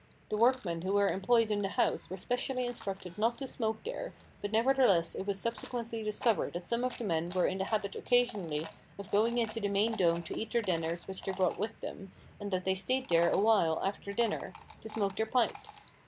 The workmen who were employed in the house were specially instructed not to smoke there, but nevertheless it was subsequently discovered that some of the men were in the habit occasionally of going into the main dome to eat their dinners which they brought with them, and that they stayed there awhile after dinner to smoke their pipes.